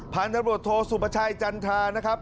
ผ่านตำรวจโทรสุปชัยจันทรานะครับ